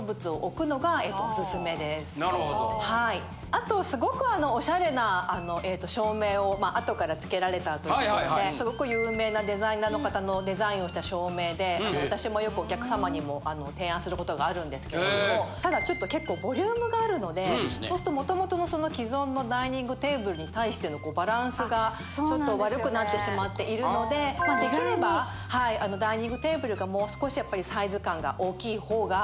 あとすごくオシャレな照明をまあ後からつけられたというところですごく有名なデザイナーの方のデザインをした照明で私もよくお客様にも提案する事があるんですけどもただちょっと結構ボリュームがあるのでそうするともともとの既存のダイニングテーブルに対してのバランスがちょっと悪くなってしまっているのでまあできればダイニングテーブルがもう少しやっぱりサイズ感が大きいほうが。